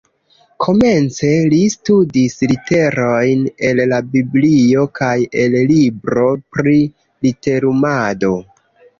Komence, li studis literojn el la biblio kaj el libro pri literumado